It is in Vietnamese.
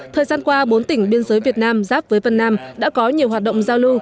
thời gian qua bốn tỉnh biên giới việt nam giáp với vân nam đã có nhiều hoạt động giao lưu